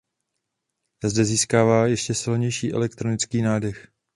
Zde získává ještě silnější elektronický nádech.